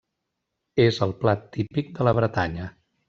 És el plat típic de la Bretanya.